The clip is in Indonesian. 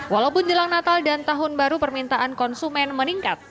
walaupun jelang natal dan tahun baru permintaan konsumen meningkat